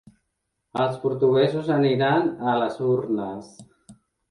Els portuguesos aniran a les urnes